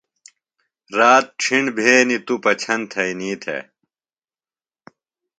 رات ڇِھݨ بھینیۡ توۡ پچھن تھئینی تھےۡ۔